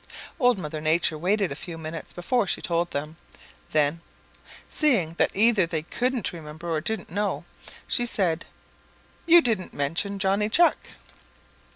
Old Mother Nature waited a few minutes before she told them. Then, seeing that either they couldn't remember or didn't know, she said, "You didn't mention Johnny Chuck."